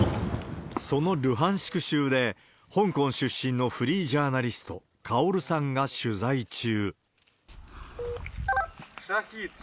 そのルハンシク州で、香港出身のフリージャーナリスト、カオルさんが取材中。